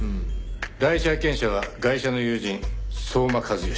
第一発見者はガイシャの友人相馬和義。